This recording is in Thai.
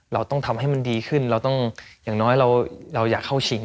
เราต้องทำให้มันดีขึ้นเราต้องอย่างน้อยเราอยากเข้าชิง